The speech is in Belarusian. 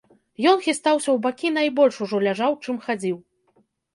Ён хістаўся ў бакі і найбольш ужо ляжаў, чым хадзіў.